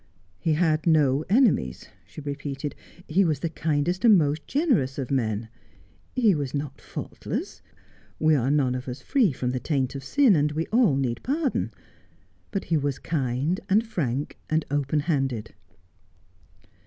' He had no enemies,' she repeated ;' he was the kindest and most generous of men. He was not faultless — we are none of us free from the taint of sin, we all need pardon — but he was kind, and frank, and open handed.'